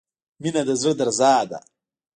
• مینه د زړۀ درزا ده.